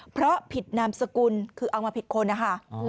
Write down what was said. เพราะผิดนามสกุลคือเอามาผิดคนนะคะ